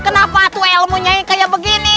kenapa ilmu nyai seperti ini